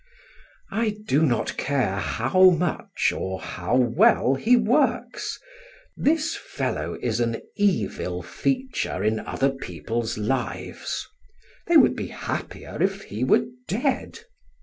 I do not care how much or how well he works, this fellow is an evil feature in other people's lives. They would be happier if he were dead.